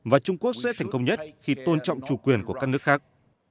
và trung quốc sẽ thành công nhất khi tôn trọng chủ quyền của các nước khác